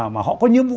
mà họ có nhiệm vụ